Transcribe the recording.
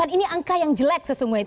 ini angka yang jelek sesungguhnya